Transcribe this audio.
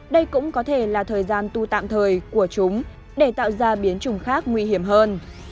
đây cũng có thể là thời gian tu tạm thời của chúng để tạo ra biến chủng khác nguy hiểm hơn